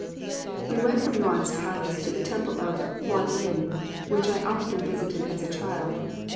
We went from Yuan's palace to the Temple of Kwan yin, which I often visited as a child.